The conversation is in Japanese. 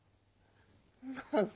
何だ。